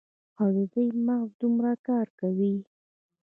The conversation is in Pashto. او د دوي مغـز دومـره کـار کـوي.